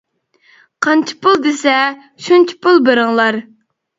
-قانچە پۇل دېسە، شۇنچە پۇل بېرىڭلار.